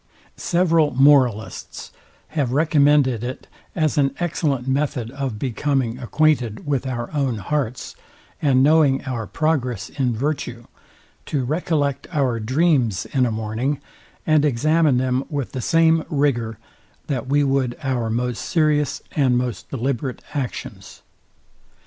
Several moralists have recommended it as an excellent method of becoming acquainted with our own hearts, and knowing our progress in virtue, to recollect our dreams in a morning, and examine them with the same rigour, that we would our most serious and most deliberate actions.